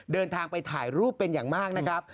เดินทางไปถ่ายรูปเป็นอย่างมากนะครับ